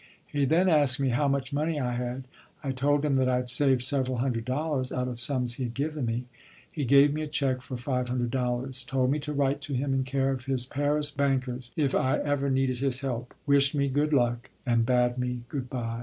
He then asked me how much money I had. I told him that I had saved several hundred dollars out of sums he had given me. He gave me a check for five hundred dollars, told me to write to him in care of his Paris bankers if I ever needed his help, wished me good luck, and bade me good by.